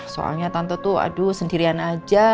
soalnya tante tuh aduh sendirian aja